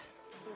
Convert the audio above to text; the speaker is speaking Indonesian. tuh tuh tuh